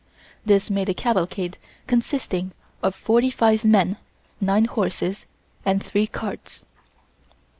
This made a cavalcade consisting of forty five men, nine horses and three carts.